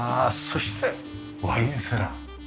そしてワインセラー。